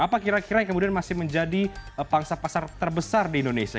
apa kira kira yang kemudian masih menjadi pangsa pasar terbesar di indonesia